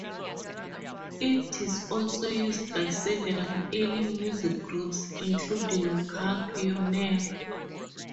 It is also used by several early music groups, including Cancionero.